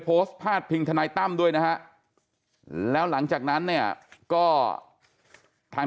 โพสต์พาดพิงทนายตั้มด้วยนะฮะแล้วหลังจากนั้นเนี่ยก็ทาง